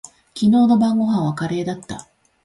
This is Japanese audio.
昨日の晩御飯はカレーだった。